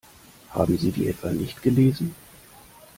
Haben Sie die etwa nicht gelesen?